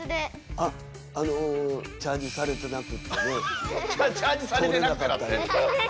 あっあのチャージされてなくってね通れなかった。